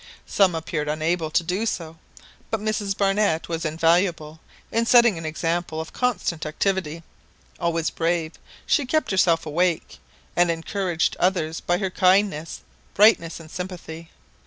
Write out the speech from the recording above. Some appeared unable to do so; but Mrs Barnett was invaluable in setting an example of constant activity: always brave, she kept herself awake, and encouraged others by her kindness, brightness, and sympathy.